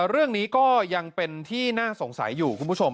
เรื่องนี้ก็ยังเป็นที่น่าสงสัยอยู่คุณผู้ชม